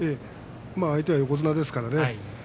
相手は横綱ですからね。